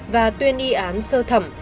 và tuyên y án sơ thẩm